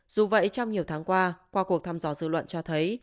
dù vậy trong nhiều tháng qua qua cuộc thăm dò dư luận cho thấy